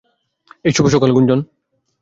এই - শুভ সকাল গুঞ্জন!